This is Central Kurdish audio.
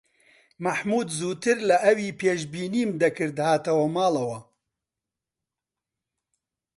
مەحموود زووتر لە ئەوی پێشبینیم دەکرد هاتەوە ماڵەوە.